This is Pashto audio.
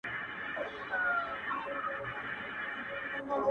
ها جلوه دار حُسن په ټوله ښاريه کي نسته.